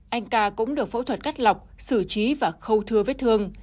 anh ca cũng được phẫu thuật cắt lọc xử trí và khâu thưa vết thương